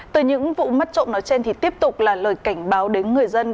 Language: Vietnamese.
từ những vụ mất trộm nói trên thì tiếp tục là lời cảnh báo đến người dân